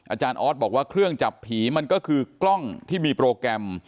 อาจารย์ออสบอกว่าเครื่องจับผีมันก็คือกล้องที่มีโปรแกรม